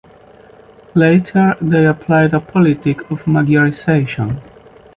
Later they applied a politic of Magyarization.